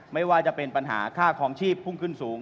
ไม่ว่าจะเป็นปัญหาค่าคลองชีพพุ่งขึ้นสูง